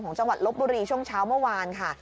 จังหวัดลบบุรีช่วงเช้าเมื่อวานค่ะ